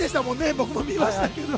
私も見ましたけど。